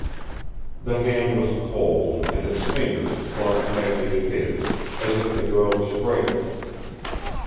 The hand was cold, and its fingers clung tightly to his, as if the girl was frightened.